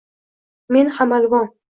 Men hamalvon